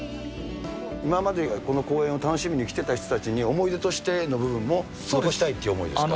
今までこの公園を楽しみに来てた人たちに思い出としての部分も残したいという思いですか？